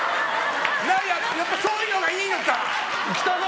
やっぱそういうほうがいいのか！